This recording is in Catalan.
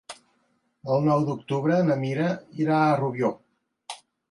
El nou d'octubre na Mira irà a Rubió.